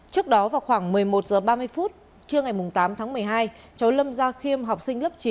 trước đó vào khoảng một mươi một h ba mươi trưa ngày tám tháng một mươi hai cháu lâm gia khiêm học sinh lớp chín